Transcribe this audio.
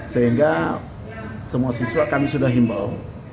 sehingga semua siswa kami sudah himbau